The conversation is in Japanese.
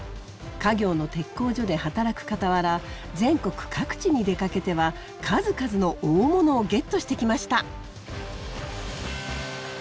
家業の鉄工所で働くかたわら全国各地に出かけては数々の大物をゲットしてきました。